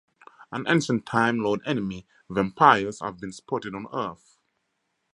An ancient Time Lord enemy, 'vampires', have been spotted on earth.